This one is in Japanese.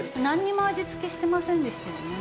なんにも味付けしてませんでしたよね。